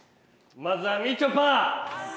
まずはみちょぱ。